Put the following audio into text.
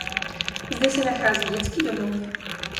Zde se nachází dětský domov.